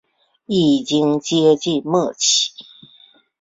已经接近末期